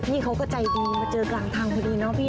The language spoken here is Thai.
นี่เขาก็ใจดีมาเจอกลางทางพอดีเนาะพี่